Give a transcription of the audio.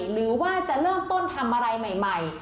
หรือว่าจะเริ่มต้นทำอะไรใหม่